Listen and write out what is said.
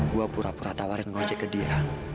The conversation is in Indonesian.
gue pura pura tawarin ngojek ke dia